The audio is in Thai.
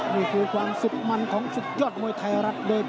นี่คือกวางสุดมันของสุดยอดมวยไทยรัฐโดย